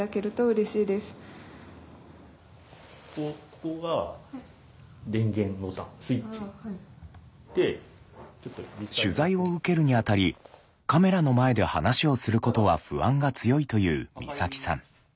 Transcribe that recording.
この作文は取材を受けるにあたりカメラの前で話をすることは不安が強いという光沙季さん。